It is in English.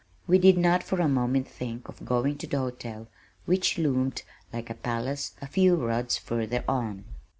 We did not for a moment think of going to the hotel which loomed like a palace a few rods further on.